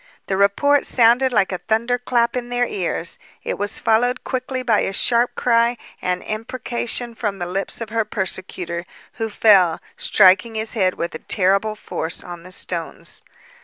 The report sounded like a thunder clap in their ears. It was followed quickly by a sharp cry and imprecation from the lips of her persecutor, who fell, striking his head with a terrible force on the stones.